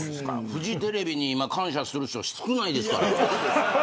フジテレビに感謝する人少ないですから。